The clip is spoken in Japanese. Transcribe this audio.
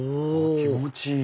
気持ちいい！